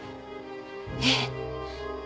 ええ。